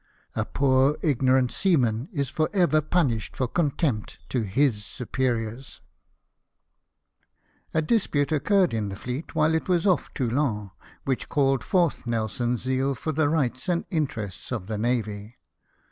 A poor ignorant seaman is for ever punished for contempt to his superiors." s 274 LIFE OF NELSON. A dispute occurred in the fleet, while it was off Toulon, which called forth Nelson's zeal for the rights and interests of the navy.